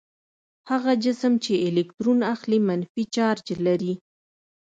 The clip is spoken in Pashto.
هغه جسم چې الکترون اخلي منفي چارج لري.